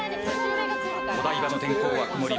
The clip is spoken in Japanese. お台場の天候は曇り。